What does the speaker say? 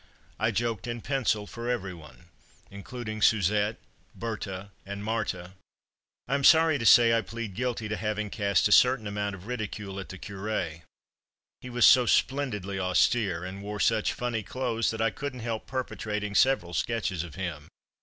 I joked in pencil for every one, including Suzette, Berthe and Marthe. I am sorry to say I plead guilty to having cast a certain amount of ridicule at the Curé. He was so splendidly austere, and wore such funny clothes, that I couldn't help perpetrating several sketches of him.